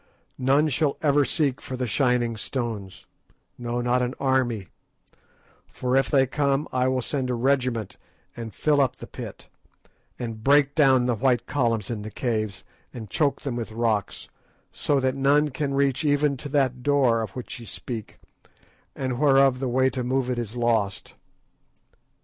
None shall ever seek for the shining stones: no, not an army, for if they come I will send a regiment and fill up the pit, and break down the white columns in the caves and choke them with rocks, so that none can reach even to that door of which ye speak, and whereof the way to move it is lost.